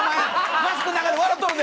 マスクの中で笑っとるで。